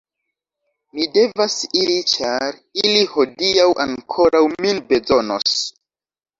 Mi devas iri ĉar ili hodiaŭ ankoraŭ min bezonos.